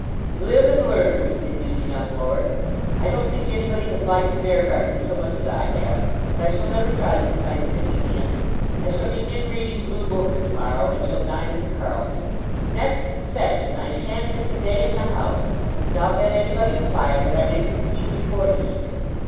"Live and learn," continued the young lord. "I don't think anybody has liked the Beargarden so much as I have, but I shall never try this kind of thing again. I shall begin reading blue books to morrow, and shall dine at the Carlton. Next session I shan't miss a day in the House, and I'll bet anybody a fiver that I make a speech before Easter.